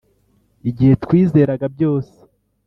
igihe twizeraga byose?